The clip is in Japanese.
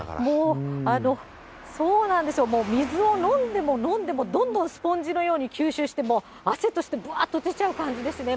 もう水を飲んでも飲んでも、どんどんスポンジのように吸収して、汗としてばっと出ちゃう感じですね。